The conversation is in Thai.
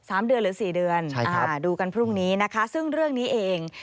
สามเดือนหรือสี่เดือนอ่าดูกันพรุ่งนี้นะคะซึ่งเรื่องนี้เอง